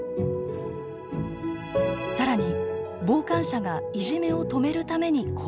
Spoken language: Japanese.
更に傍観者がいじめを止めるために行動すると。